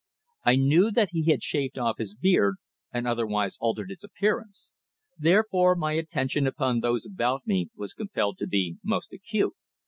I knew that he had shaved off his beard and otherwise altered his appearance. Therefore my attention upon those about me was compelled to be most acute.